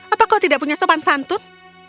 apa kau tidak punya sopan santun